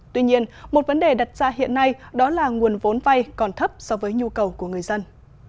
tuy nhiên một vấn đề đặt ra hiện nay đó là nguồn vốn vay còn thấp so với nhu cầu của người dân